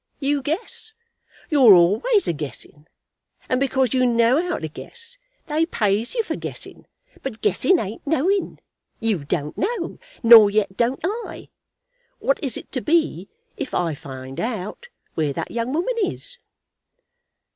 You guess. You're always a guessing. And because you know how to guess, they pays you for guessing. But guessing ain't knowing. You don't know; nor yet don't I. What is it to be, if I find out where that young woman is?"